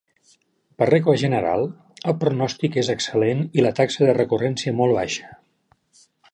Per regla general, el pronòstic és excel·lent i la taxa de recurrència molt baixa.